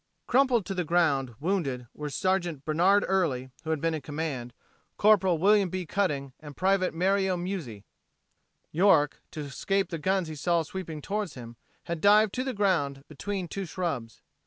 Crumpled to the ground, wounded, were Sergeant Bernard Early, who had been in command; Corporal William B. Cutting and Private Mario Muzzi. York, to escape the guns he saw sweeping toward him, had dived to the ground between two shrubs.